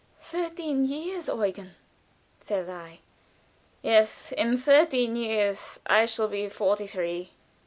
"Thirteen years, Eugen," said I. "Yes; in thirteen years I shall be forty three."